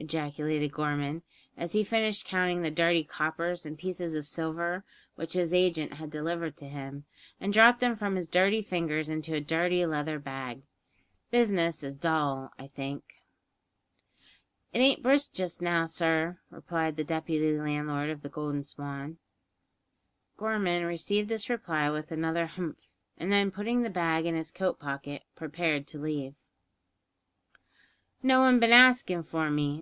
ejaculated Gorman, as he finished counting the dirty coppers and pieces of silver which his agent had delivered to him, and dropped them from his dirty fingers into a dirty leather bag: "Business is dull, I think." "It ain't brisk just now, sir," replied the deputy landlord of the "Golden Swan." Gorman received this reply with another "Humph," and then, putting the bag in his coat pocket, prepared to leave. "No one bin askin' for me?"